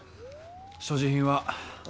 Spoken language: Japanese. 所持品は？